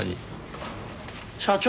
社長。